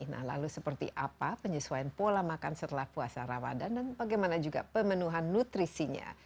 nah lalu seperti apa penyesuaian pola makan setelah puasa ramadhan dan bagaimana juga pemenuhan nutrisinya